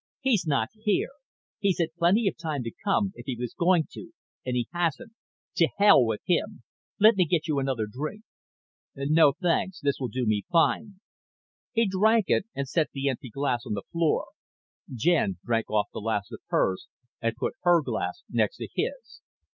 "He's not here. He's had plenty of time to come, if he was going to, and he hasn't. To hell with him. Let me get you another drink." "No, thanks. This will do me fine." He drank it and set the empty glass on the floor. Jen drank off the last of hers and put her glass next to his.